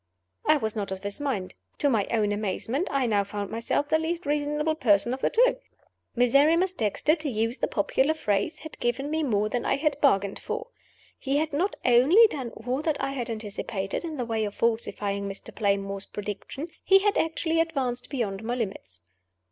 I was not of his mind. To my own amazement, I now found myself the least reasonable person of the two! Miserrimus Dexter (to use the popular phrase) had given me more than I had bargained for. He had not only done all that I had anticipated in the way of falsifying Mr. Playmore's prediction he had actually advanced beyond my limits.